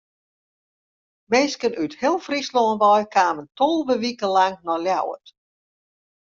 Minsken út heel Fryslân wei kamen tolve wiken lang nei Ljouwert.